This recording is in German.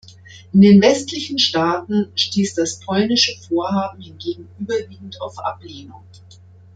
In den westlichen Staaten stieß das polnische Vorhaben hingegen überwiegend auf Ablehnung.